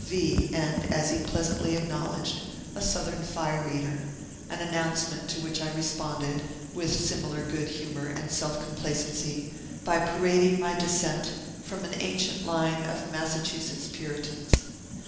V., and, as he pleasantly acknowledged, a Southern Fire Eater, an announcement to which I responded, with similar good humor and self complacency, by parading my descent from an ancient line of Massachusetts Puritans.